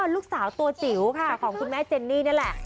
ลูกสาวตัวจิ๋วค่ะของคุณแม่เจนนี่นี่แหละ